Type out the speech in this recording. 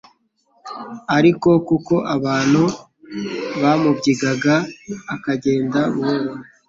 ariko kuko abantu bamubyigaga, akagenda buhoro.